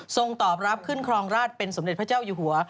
ตอบรับขึ้นครองราชเป็นสมเด็จพระเจ้าอยู่หัว